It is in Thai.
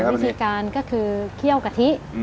วิธีการก็คือเคี่ยวกะทิ